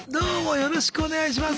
よろしくお願いします。